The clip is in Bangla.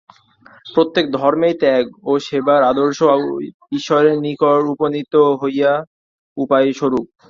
প্রত্যেক ধর্মেই ত্যাগ ও সেবার আদর্শ ঈশ্বরের নিকট উপনীত হইবার উপায়স্বরূপ।